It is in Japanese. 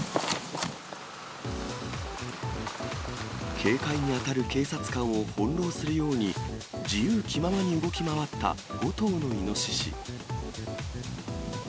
警戒に当たる警察官を翻弄するように、自由気ままに動き回った５頭のイノシシ。